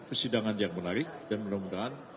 persidangan yang menarik dan mudah mudahan